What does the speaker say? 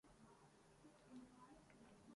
لیکن اب نقش و نگارِ طاق نسیاں ہو گئیں